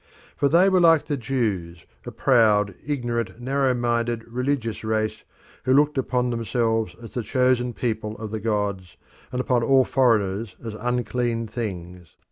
For they were like the Jews, a proud, ignorant, narrow minded, religious race who looked upon themselves as the chosen people of the gods, and upon all foreigners as unclean things.